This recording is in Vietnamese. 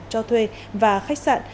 cho thuê và khách sạn